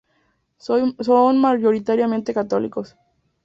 Son mayoritariamente católicos.